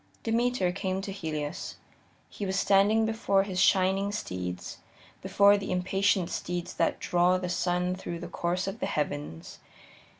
Demeter came to Helios. He was standing before his shining steeds, before the impatient steeds that draw the sun through the course of the heavens.